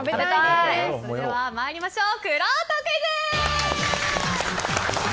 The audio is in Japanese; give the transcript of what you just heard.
それではまいりましょうくろうとクイズ！